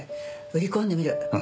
売り込んでみる。